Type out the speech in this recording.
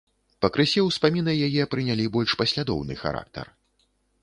Пакрысе ўспаміны яе прынялі больш паслядоўны характар.